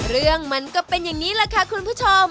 เรื่องมันก็เป็นอย่างนี้แหละค่ะคุณผู้ชม